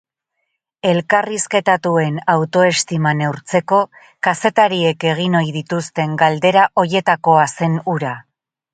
Elkarrizketatuen autoestima neurtzeko kazetariek egin ohi dituzten galdera horietakoa zen hura.